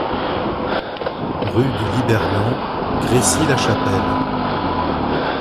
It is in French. Rue de Libernon, Crécy-la-Chapelle